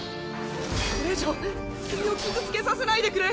これ以上君を傷つけさせないでくれ。